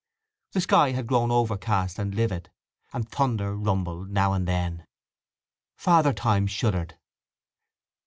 The sky had grown overcast and livid, and thunder rumbled now and then. Father Time shuddered.